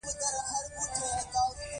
له ادارو او مراجعو څخه معلومات غواړي.